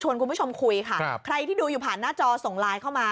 คุณผู้ชมคุยค่ะใครที่ดูอยู่ผ่านหน้าจอส่งไลน์เข้ามา